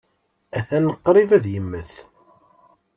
Atan qrib ad yemmet.